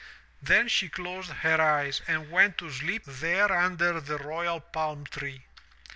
Then she closed her eyes and went to sleep there under the royal palm tree.